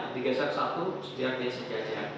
digeser satu sejajar sejajar